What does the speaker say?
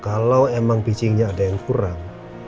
kalau memang pitchingnya ada yang kurang